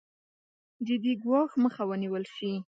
جدي ګواښ مخه ونېول شي.